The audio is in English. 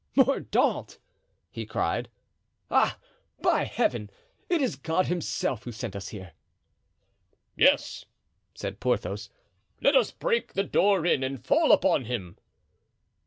"Mordaunt," he cried. "Ah! by Heaven! it is God Himself who sent us here." "Yes," said Porthos, "let us break the door in and fall upon him."